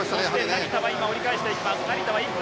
成田が折り返していきます。